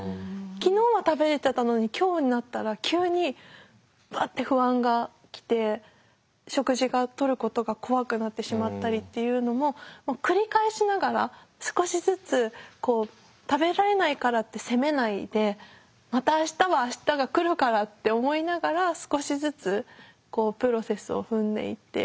昨日は食べれてたのに今日になったら急にバッて不安がきて食事がとることが怖くなってしまったりっていうのも繰り返しながら少しずつこう食べられないからって責めないでまた明日は明日が来るからって思いながら少しずつこうプロセスを踏んでいって。